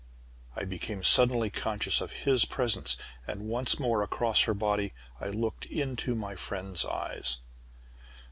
I became suddenly conscious of his presence, and, once more, across her body, I looked into my friend's eyes.